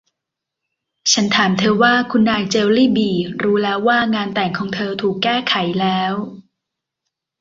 ฉันถามเธอว่า คุณนายเจลลี่บี่ รู้แล้วว่างานแต่งของเธอถูกแก้ไขแล้ว